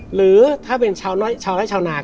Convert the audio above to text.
หรือถ้าเป็นชาวน้อยชาวน้อยชาวนา